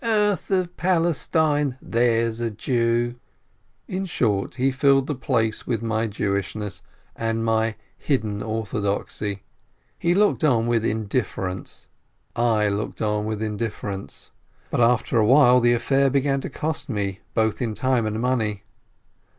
"Earth of Palestine ! There's a Jew !" In short, he filled the place with my Jewishness and my hidden orthodoxy. I looked on with indifference, but after a while the affair began to cost me both time and money.